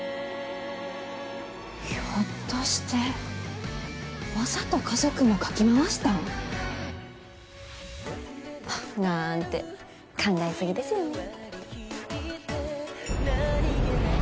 ひょっとしてわざと家族もかき回した？なんて考えすぎですよね。